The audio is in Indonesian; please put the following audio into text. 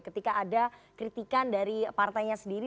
ketika ada kritikan dari partainya sendiri